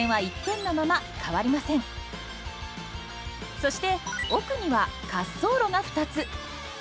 そして奥には滑走路が２つ。